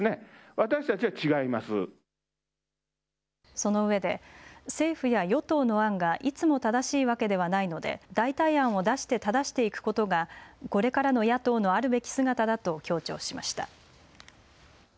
そのうえで政府や与党の案がいつも正しいわけではないので代替案を出して、ただしていくことがこれからの野党のあるべき姿だと強調しました。